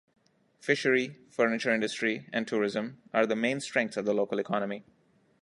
Fishery, furniture industry and tourism are the main strengths of the local economy.